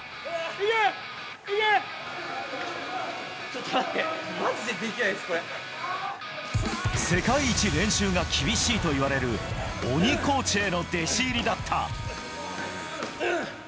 ちょっと待って、世界一練習が厳しいといわれる鬼コーチへの弟子入りだった。